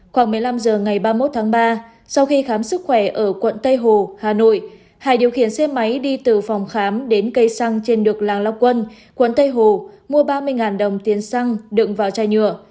khoảng một mươi năm h ngày ba mươi một tháng ba sau khi khám sức khỏe ở quận tây hồ hà nội hải điều khiển xe máy đi từ phòng khám đến cây xăng trên đường làng lao quân quận tây hồ mua ba mươi đồng tiền xăng đựng vào chai nhựa